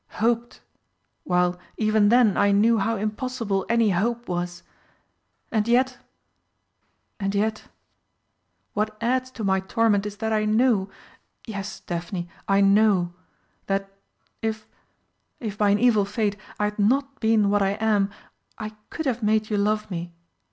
Hoped while, even then, I knew how impossible any hope was. And yet and yet what adds to my torment is that I know yes, Daphne, I know that if if by an evil fate I had not been what I am, I could have made you love me.